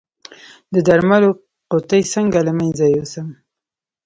د درملو قطۍ څنګه له منځه یوسم؟